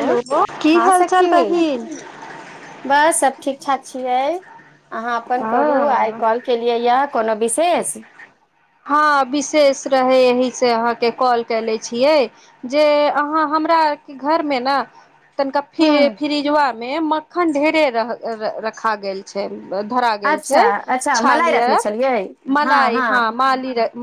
hello की हँं हाल चाल सखी बहिन बस सब ठीक ठाक छियै अहाँ अपन कहू आइ कॉल केलियै या कोनो विशेष हँ विशेष रहै एहिसँ अहाँके कॉल केले छियै जे अहाँ हमरा आरके घरमे ने तनिका फि हूँ फ्रिजवा मे मक्खन ढेरे रखा गेल छै धरा गेल अच्छा छै अच्छा मलाइ रखले छालियार छलियै मलाई हँ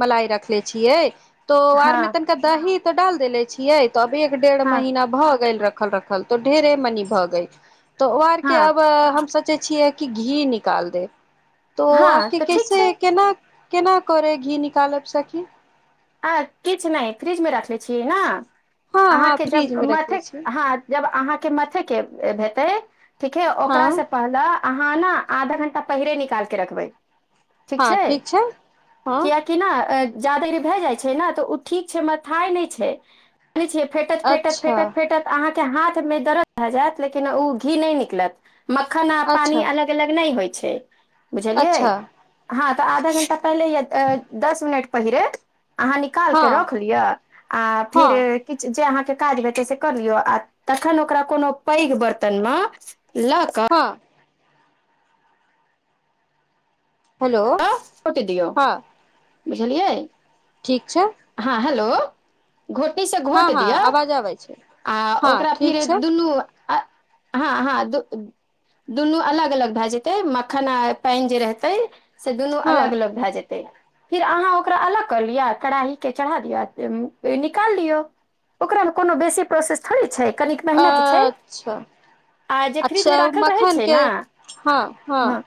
मलाइ रखले छियै तो आर मे हँ तनिका दही तो डाल देले छियै तब एक डेढ़ हँ महीना भऽ गेल रखल रखल तऽ ढेरे मनी भऽ गेल तऽ ओ आरके हँ अब हम सोचै छियै कि घी निकाल देब तो हँ आके तऽ ठीक कैसे छै केना केना करे घी निकालब सखी आ किछु नहि फ्रिजमे राखनेे छियै ने हँ हँ अहाँके फ्रिज जब मे मथे रखले छी हँ जब अहाँके मथे के हेतै ठीक है ओकरा से हँ पहिले अहाँ ने आधा घंटा पहिरे निकाल के रखबै ठीक छै हँ किया किना जादर भए जाइ छै ने तऽ ओ ठीक छै मथाइ नहि छै फेटत फेटत अच्छा फेटत फेटत अहाँ के हाथ मे दर्द भऽ जायत लेकिन ओ घी नहि निकलत मक्खन आ पानी अच्छा अलग अलग नहि होयत छै बुझलियै अच्छा सँ तऽ आधा घंटा पहिले या दस मिनट पहिरे अहाँ निकाल के हँ रख लिय आ फिर हँ किछ जे काज भेटै से कर लियौ आ तखन ओकरा कोनो पैघ बर्तन मे लऽ कऽ हँ हेलो घोट दियौ हँ बुझलियै ठीक सँ घोंटीसँ घोंट हँ दियौ आवाज आबै छै आ हँ ओकरा फिर ठीक छै दुनू आ हँ हँ दु दु दुनू अलग अलग भए जेतै मखन आ पानि जे रहतै से दुनू हँ अलग अलग भए जेतै फेर अहाँ ओकरा अलग कऽ लिअ कड़ाहीके चढ़ा दिअ निकाल दियौ ओकरामे कोनो बेसी प्रोसेस थोड़ी छै कनिक मेहनत छै अच्छा आ जे फ्रिज मे अच्छा राखल रहै मक्खन छै के ने हँ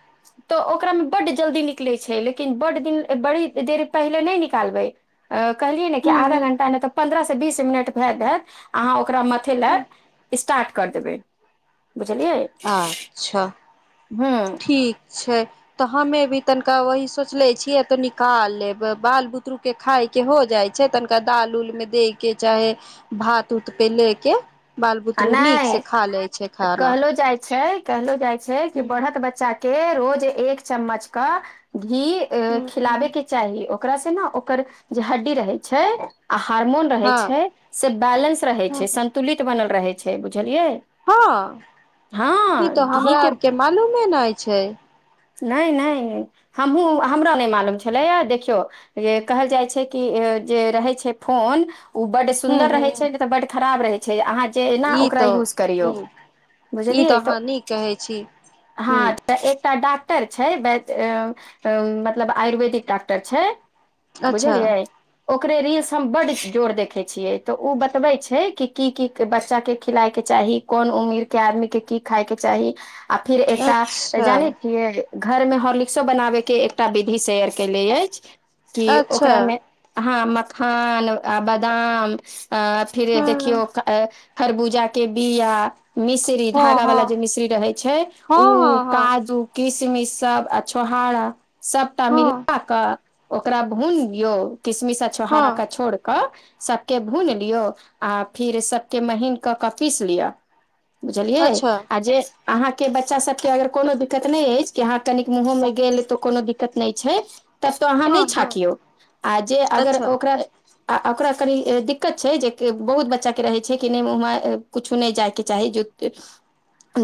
तऽ ओकरामे बड्ड जल्दी निकलै छै लेकिन बड्ड दिन बड़ी देर पहिले नहि निकालबै कहलिएने कि ह आधा ह घंटा नहि तऽ पन्द्रह सँ बीस मिनट में भे जेत भे जेत अहाँ ओ ओकरा मथै लअ स्टार्ट कअ देवै अच्छा हँ ठीक छै तऽ हमे भी तनिका वही सोचले छियै त निकाल लेबै बाल बुतरु के खाय के हो जाइ छै तनिका दाल उल मे दे के चाहे भात उत पे ले के बाल आ बुतरु नीक नहि से खा लै छै खाना कहलो जाइ छै कहलो जाइ छै कि बढ़त बच्चा के रोज एक चम्मच कऽ घी ए खिलाबे के चाही ओकरा से न ओकर जे हड्डी रहे छै आ हार्मोन रहै हँ छै से बैलेंस रहै छै संन्तुलित बनल रहै छै बुझलिये हँ ई तऽ घी हमरा के आरके मालूमे नहि छै नहि नहि हमहुँ हमरा नहि मालूम छलैए देखियौ कहल जाइ छै कि जे रहै छै फोन ओ बड्ड हूँ सुन्दर हूँ रहै छै नै तऽ बड्ड खराव रहै छै अहाँक जाहिना ई ओकरा तऽ यूज करियौ हूँ ई बुझलियए तऽ अहाँ नीक कहै छी हँ हूँ तऽ एकटा डा डॉक्टर छै वैद्द अ अ मतलब आयुर्वेदिक डॉक्टर छै अच्छा बुझलियै ओकरे रील्स हम बड्ड देर देखै चियै तऽ ओ बतबै छै कि की की के बच्चा के खिलाय के चाही कोन उमीर के आदमी के की खायके चाही आ फिर ऐसा अच्छा जानै छियै घर मे हॉर्लिक्सो बनाबे के एकटा विधि शेयर केयलै अछि कि अच्छा ओकरामे हँ मखान आ बादाम आ फिर हँ देखियौ खरबूजा के बिया मिशरी हँ धागा हँ वाला जे मिशरी रहे छै उ हँ हँ हँ हँ काजू किस मिस सब आ छोहारा सबटा हँ मिला कअ ओकरा भूनियौ किसमिश आ छोहारा हँ के छोड़ क सबके भून लियो आ फिर सब के महीन कऽ कऽ पीस लिअ बुझलियै अच्छा आ जे अहाँके बच्चा सभके अगर कोनो दिक्कत नहि अछि कि अहाँ कनिक मुँहोमे गेल तऽ कोनो दिक्कत नहि छै तब त अहाँ हँ नहि हँ छाकियौ आ जे अगर अच्छा ओकरा आ ओकरा कनि दिक्कत छै जे कि बहुत बच्चा के रहै छै नहि कछु नहि जायके चाही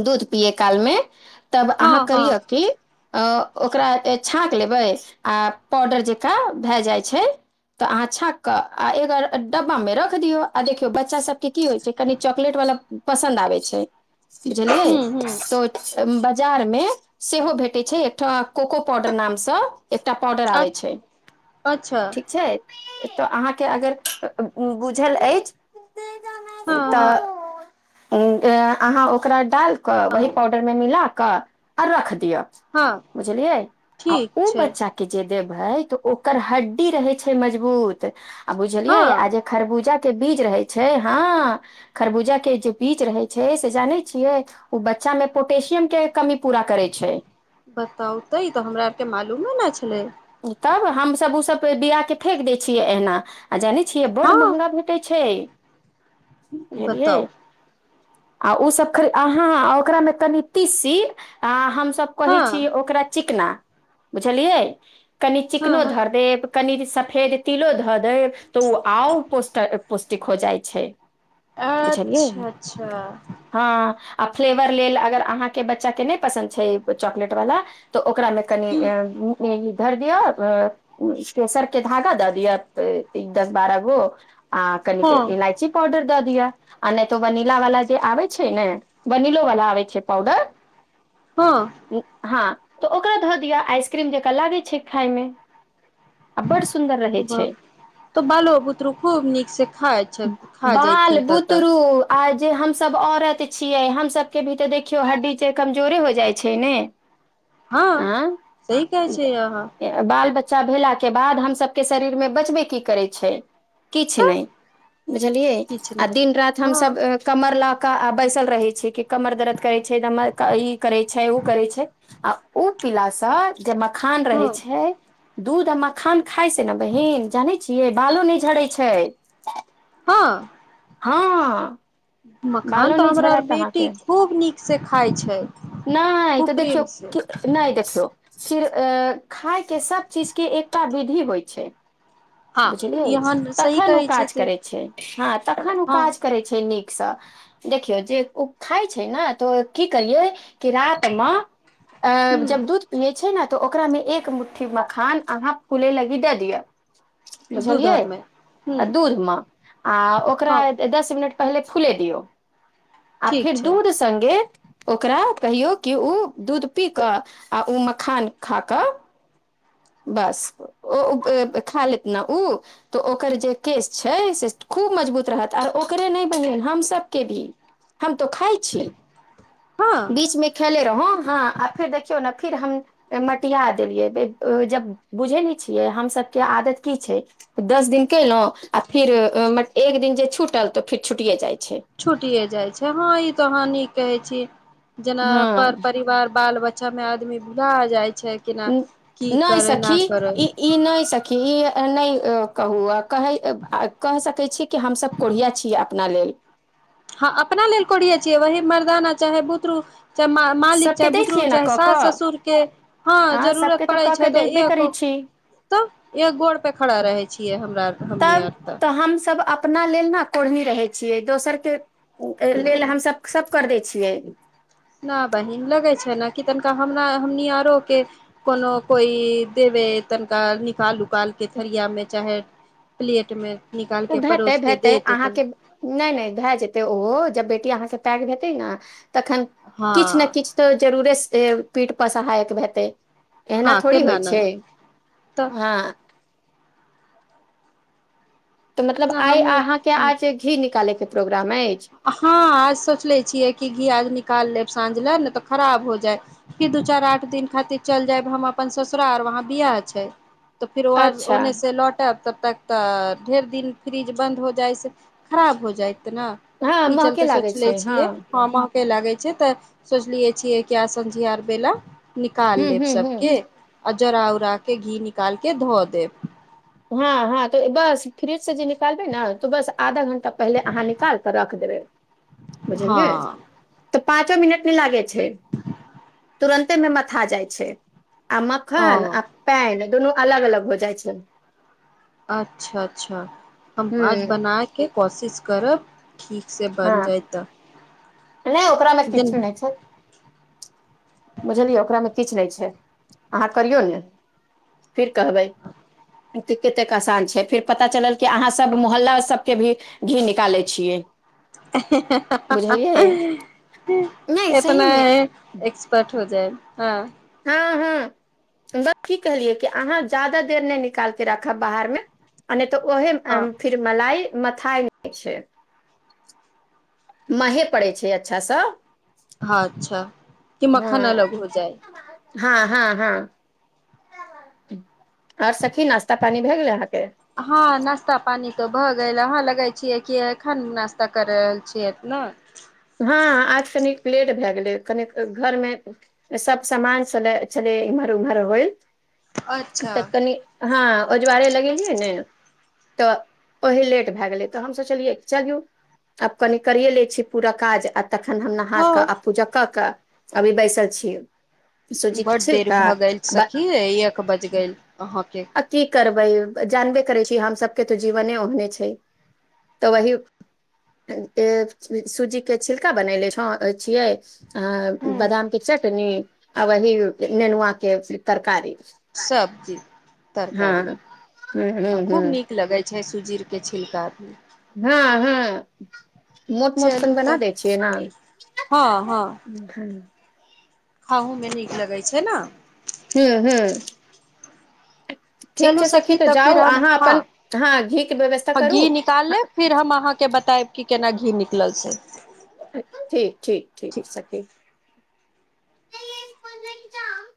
दूध पियए काल मे तब हँ अहाँ हँ करियौ की अ ओकरा छाँक लेबै आ पाउडर जकाँ भए जाइ छै तऽ अहाँ छांक कऽ आ अगर डब्बा मे रख दियौ आ देखियौ बच्चा सब कि कि होयछै कनी चाकलेट वाला पसंद आबै छै हूँ हूँ बुझलिय जार मे सेहो भेटै छै एकटा कोको पाउडर नामसँ एकटा पाडर आबै अच्छा छै अच्छा ठीक छै तऽ अहाँके अगर बुझल अछि हँ हँ तऽ अहाँ ओकरा डाल कहवै पाउडर मे मिला रख दिअ हँ बुझलिए आ ठीक उ छै बच्चा के जे त ओकर हड्डी रहै छै मजबूत आ बुझलियै हँ आ जे खरबूजा जे बीज रहै छै हँ खरबूजा के जे बीज रहै छै से जाने छियै ओ बच्चा में पोटशियम के कमी पूरा करै छै बताउ तऽ इ तऽ हमरा अते मालूमे न छलै तब हमसभ ओसभ बिया कऽ फेेक दै छियै एना आ जानै छियै बड हँ महंगा भेटे छै बुझलियै बताउ आ उ सब खर आहां ओकरामे तनि तिसी आ हम सब कहे हँ छी ओकरा चिकना बुझलिए कनि हँ चिकनो धर हँ देब कनि फेर तिलो धऽ दे तऽ आउ और पौष्टिक हो जाइ छै बुझलियए अच्छा अच्छा आ आ फ्लेवर लेल अगर अहाँके बच्चा के नहि पसन्द छै चॉकलेट वला तऽ ओकरा मे कनि धर दियअ केसर के धागा दऽ दिअ दस बारह गो आ कनिक हँ इलायची पउडर द दिअ नहि तऽ वनीला वलाा जे आबै छै न वनीलो वाला आबै छै पाउडर हँ हां ओकरा ध दिया आसक्रीम जका लागै खाायमे आ बड़ सुन्दर रहै छै बाप तऽ बालो बुतरो खूब नीक से खाय जाइथिन तऽ आय जे हम सब औरत छियै हमसभके भी तऽ देखियौ हड्डी जे कमजोरे हो जाइ छै न हां सही कहै छीए आहां बाल बच्चा भेलाके बाद हम सभके शरीर मे बचबे की करै छै किछ तऽ नहि बुझलियै किछु आ नहि दिन रात हम हँ सब कमरला का बैसल रहै छै कि कमर दर्द करै छै ई करै छै ओ करै छै आ उ पीलाासँ जे मखान हँ रहै छै दूध आ मखान खाइ से न बहिन जानै छियै बालो नहि झड़ै छै हँ हँ मखान बालो तऽ नहि हमरा अर झड़त बेटी खूब नीक से खााय छै नैय खूब तऽ देखियो प्रेम से नैय देखियो कीर अ खाय के सब चीज के एकता विधि होइ छै हँ बुझलु ई अहाँ सही तखन उ कहै काज छथिन करै छै हँ तखन ओ हँ काज करै छै नीक स देखियौ जे उ खाय छैय न तऽ की करिय कि रात मऽ जब ह दूध पियै छै न तऽ ओकरामे एक मुठ्ठी मखान अहाँ फुलै लागी द दिअ दूध बुझलियै आरमे ह आ दूध मे आ ओकरा हँ दस मिनट पहिले फुले दिऔ आ ठीक फेर छै दूध सङ्गे ओकरा कहियौ कि उ दूध पी कऽ आ उ मखान खा कऽ बस ओ खा लेत न उ तऽ ओकर जे केस छै से खूब मजबूत रहत आ ओकरे नहि बहिन हमसभके भी हम तऽ खाय छि हँ बीच मे खेले रहौं हँ आ फेर देखियौ न फिर हम मटिया देलियै जब बुझै नहि छियै हमसभके आदत की छै दस दिन केलहुँं आ फिर म एक दिन जे छूटल तऽ फिर छुटिए जाइ छै छुटिए जाइ छै हां ई हां नीक कहै छी जेना हँ पर परिवार बाल बच्चा में आदमी भुला जाय नैय सखी करे ई ई नैय सखी ई नैय कहू कह कहि सकै छी कि हमसभ कोढ़िया छियै अपना लेल स ने चाहे बुतरू चाहे मा मालिक सबके चाहे दै बुतरू छियै ने चाहे कऽ सास कऽ ससुर के हँ जरूरत सबके पड़े कऽ छै के तऽ देबे एक करै छी तब एक गोड़ पे खड़ा रहे छियै हमरा आर तब तऽ हमसभ अपना लेल ने कोढ़नी रहै छियै दोसर के लेल हमसब सब कर दै छियै न बहिन लगै छै ने कि तनिका हम हमनी आरो के कोनो कोई देव तनिका निकाल उकाल के थरिया में चाहे प्लेट में ओ भेतै भेतै अहाँके नहि नहि भए जेतै ओहो जब बेटी अहाँ टैग भेतेय न तहन हँ किछ ने किछ त जरुरे से पीठ पर सहायक भेतै एना हँ थोड़ी केना होइ ने छै तऽ हँ तऽ मतलब आइ हमहूँ अहाँके आज घी निकाले के हँ आज सोचले छियै कि घी आज निकाल लेब साँझ ले ने तऽ खराब हो जाय फिर दू चार आठ दिन खातिर चल जायब हम अपन ससुरार वहाँ बि ये छै तऽ फिर अच्छा ओने से लौटब तऽ तक तऽ ढेर दिन फ्रिज बन्द हो जाय से खराब हो जेत ने हँ ई महके चलते लागै सोचले छै हँ छियै लागै छै तऽ सोचलियै छियै कि आज़ संझीयार बेला निकाल हूँ लेब हूँ हूँ सबके आ जरा उरा के घी निकालके ध देब हँ हँ त बस फ्रिज से जे निकालबे ने तो बस आधा घंटा पहिले अहाँ निकाल क रख दे [unintelligible] हँ बुझलियै तऽ पाँचो मिनट नहि लागे छै तुरन्ते मे मथा जाइ छै आ मखन ओ आ पेन दुनू अलग अलग हो जाइ छै अच्छा अच्छा हम ह आज बना के कोशिश करब ठीक से बन हँ जाय त नहि ओकरा में किछु नहि छै बुझलियै ओकरा में किछु नहि छै अहाँ करियौ ने फिर कहबै तऽ कतेक आसान छै फेर पता चलल कि अहाँसभ मोहल्ला सभके भी घी निकालै छियै बुझलियै नहि एतना सहीमे एक्सपर्ट हो जायब हँ हँ हँ बत की कहलियै कि अहाँ ज्यादा देर नहि निकाल के राखब बाहर में आ नै तऽ ओहे हँ फिर मलाइ मथाइ छै महे पड़ै छै अच्छा सँ ह अच्छा कि मखन अलग हो जाए हँ हँ हँ आओर सखी नाश्ता पानी भए गेलै अहाँके हँ नास्ता पानी त भय गेल अहाँ लगै छियै कि एखन नास्ता कर रहल छियै न हँ आज कनिक लेट भए गेलै कनिक घर में सब सामान छलय इमहर उमहर होइल अच्छा तऽ कनि हँ ओजवारे लगेलीय ने तऽ ओही लेट भए गेलै तऽ हम सोचलियै चलू आब कनि करियए लै छी पूरा काज आ तखन हम नहा कऽ हँ आ पूजा कऽ के अभी बैसल छीय बड देर भऽ गेल सखी एक बज गेल अह अ की करब जानबे करै छी हम सभके तऽ जीवने ओहने छै तऽ वही सूजी के छिलका बनेले छ छियै अ हूँ बदाम के चटनी आ वही नेनुआ के तरकारी सब्जी हँ तरकारी ह ह आ खूब ह नीक लगै छै छै सुजीर के छिलका हँ हँ मोट मोट सन चलू बना तऽ दै छियै न हँ हू खाहूमे नीक लगै छै ने ह [unintelligible] ठीक चलू छै सखी तऽ फिर जाउ हम अहाँ अपन हँ हँ घी के व्यवस्था करू घी निकाल लेब फिर हम अहाँके बता [unintelligible] केना घी निकलल छै ठीक ठीक ठीक सखी [unintelligible]